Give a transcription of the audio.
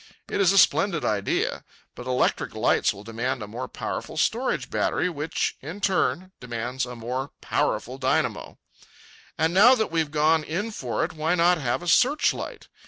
It is a splendid idea. But electric lights will demand a more powerful storage battery, which, in turn, demands a more powerful dynamo. And now that we've gone in for it, why not have a searchlight?